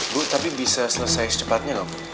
bu tapi bisa selesai secepatnya nggak bu